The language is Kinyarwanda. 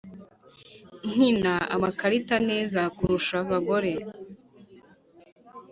nkina amakarita neza kurusha abagore